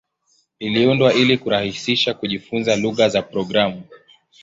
Iliundwa ili kurahisisha kujifunza lugha za programu.